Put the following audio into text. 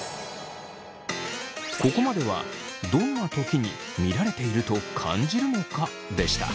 ここまではどんなときに見られていると感じるのか？でした。